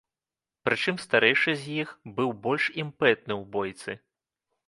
Прычым старэйшы з іх быў больш імпэтны ў бойцы.